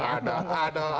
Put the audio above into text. ada tgpp ya